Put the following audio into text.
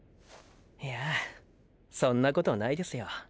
いやあそんなコトないですよ？